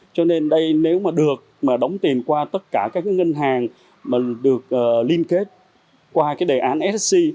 cho nên đây nếu mà được mà đóng tiền qua tất cả các ngân hàng mà được liên kết qua cái đề án ssc